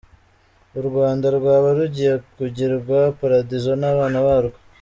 U Rwanda rwaba rugiye kugirwa paradizo n’abana barwo.